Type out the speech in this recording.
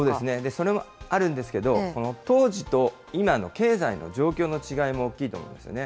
それもあるんですけど、当時と今の経済の状況の違いも大きいと思うんですよね。